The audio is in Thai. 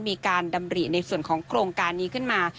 มีการดำริในส่วนของโครงการนี้ขึ้นมา